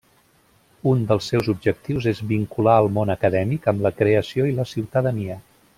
Un dels seus objectius és vincular el món acadèmic amb la creació i la ciutadania.